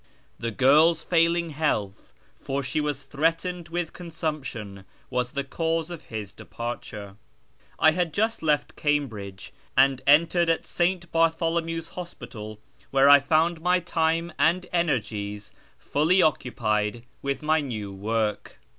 The girl's failing health (for she was threatened with consumption) was the cause of his departure. I had just left Cambridge, and entered at St. Bartholomew's Hospital, where I found my time and energies fully occupied with my new work.